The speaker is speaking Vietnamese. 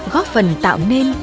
góp phần tạo nên